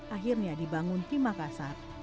akhirnya dibangun di makassar